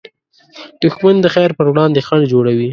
دښمن د خیر پر وړاندې خنډ جوړوي